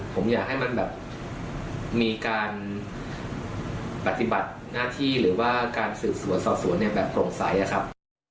ผมอยากให้มันแบบมีการปฏิบัติหน้าที่หรือว่าการสืบสวนสอบสวนเนี่ยแบบโปร่งใสอะครับ